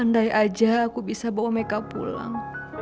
andai aja aku bisa bawa mereka pulang